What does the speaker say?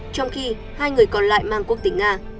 trong khi hai người còn lại mang quốc tịch nga